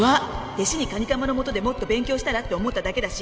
弟子に蟹釜のもとでもっと勉強したら？って思っただけだし」